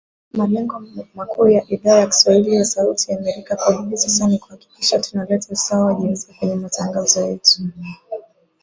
Malengo makuu ya Idhaa ya kiswahili ya Sauti ya Amerika kwa hivi sasa ni kuhakikisha tuna leta usawa wa jinsia kwenye matangazo yetu .